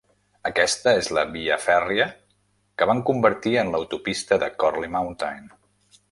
Aquesta es la via fèrria que van convertir en l'autopista de Corley Mountain.